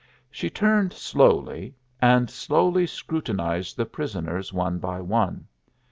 She turned slowly, and slowly scrutinized the prisoners one by one.